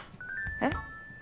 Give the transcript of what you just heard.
えっ？